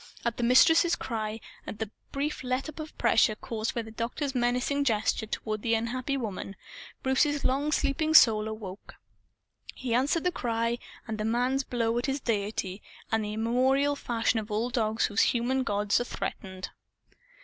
At the Mistress's cry and at the brief letup of pressure caused by the Doctor's menacing gesture toward the unhappy woman Bruce's long sleeping soul awoke. He answered the cry and the man's blow at his deity in the immemorial fashion of all dogs whose human gods are threatened.